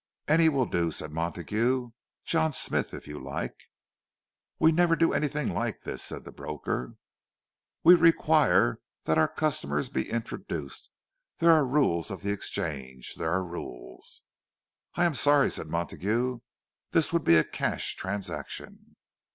"Any will do," said Montague. "John Smith, if you like." "We never do anything like this," said the broker. "We require that our customers be introduced. There are rules of the Exchange—there are rules—" "I am sorry," said Montague; "this would be a cash transaction."